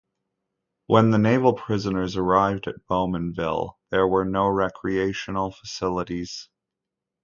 When the naval prisoners arrived at Bowmanville, there were no recreational facilities.